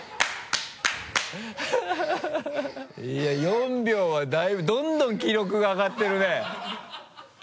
４秒はだいぶどんどん記録があがってるね。